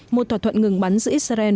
một thỏa thuận ngừng bắn giữa israel